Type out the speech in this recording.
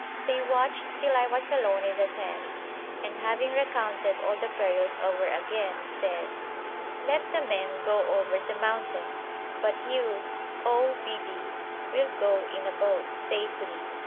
They watched till I was alone in the tent, and, having recounted all the perils over again, said: 'Let the men go over the mountain, but you, O Bibi! will go in a boat, safely.